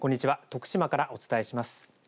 徳島からお伝えします。